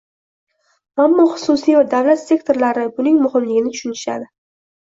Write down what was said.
Ammo xususiy va davlat sektorlari buning muhimligini tushunishadi.